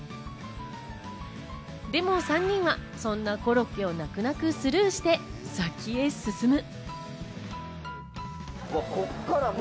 でも３人はそんなコロッケを泣く泣くスルーして、先へ進む。